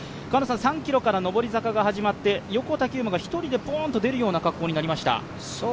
３ｋｍから上り坂が始まって横田玖磨が１人でポーンと出る格好になりました。